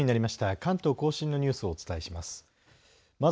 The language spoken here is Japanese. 関東甲信のニュースをお伝えします。